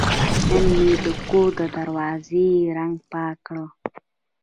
نن مې د کور د دروازې رنګ پاک کړ.